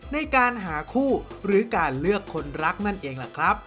ในการหาคู่หรือการเลือกคนรักนั่นเองล่ะครับ